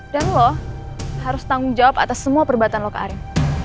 dan lo harus tanggung jawab atas semua perbuatan lo ke arin